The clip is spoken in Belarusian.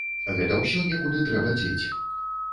Гэта ўсё некуды трэба дзець.